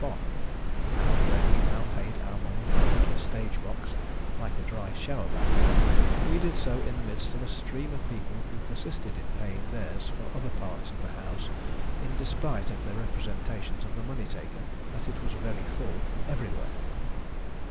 upon; and when we now paid our money for a little stage box, like a dry shower bath, we did so in the midst of a stream of people who persisted in paying theirs for other parts of the house in despite of the representations of the Money taker that it was very full, everywhere.